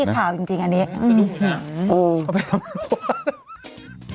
เอาไปตำรวจ